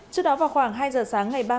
trước đó vào khoảng hai giờ sáng ngày ba mươi